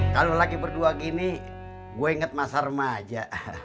kalau lagi berdua gini gue inget masa remaja